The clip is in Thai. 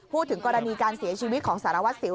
พูดถึงกรณีการเสียชีวิตของสารวัสสิว